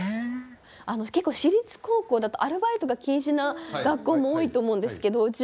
あの結構私立高校だとアルバイトが禁止な学校も多いと思うんですけど。